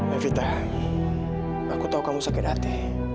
levita aku tahu kamu sakit hati